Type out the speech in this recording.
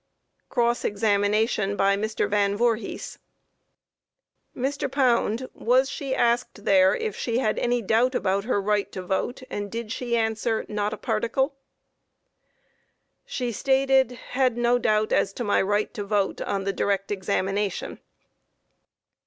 Cross examination by MR. VAN VOORHEES: Q. Mr. Pound, was she asked there if she had any doubt about her right to vote, and did she answer "Not a particle?" A. She stated "Had no doubt as to my right to vote," on the direct examination.